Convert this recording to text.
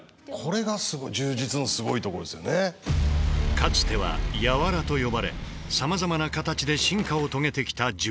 かつては「柔」と呼ばれさまざまな形で進化を遂げてきた柔術。